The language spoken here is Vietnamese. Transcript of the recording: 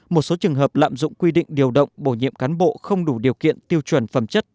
một số trường hợp lạm dụng quy định điều động bổ nhiệm cán bộ không đủ điều kiện tiêu chuẩn phẩm chất